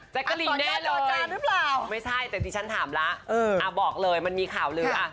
จะกระลิ่นแน่เลยไม่ใช่แต่ทีฉันถามแล้วบอกเลยมันมีข่าวลึก